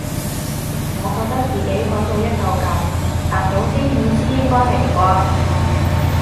我覺得自己講到一嚿嚿但總之意思應該明啩